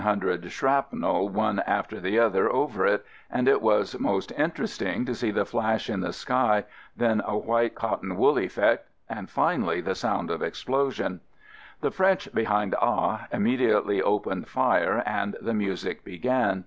FIELD SERVICE 21 shrapnel one after the other over it, and it was most interesting to see the flash in the sky, then a white cotton wool effect — and finally the sound of explosion. The French behind A immediately opened fire and the music began.